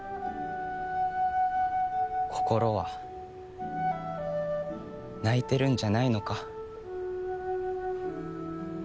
心は泣いてるんじゃないのか？